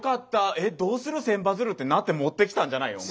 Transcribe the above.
えどうする千羽鶴」ってなって持ってきたんじゃないのお前。